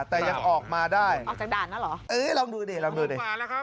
แต่ยังออกมาได้ออกจากด่านน่ะหรอเอ๊รับดูเด้อลองดูเด้อ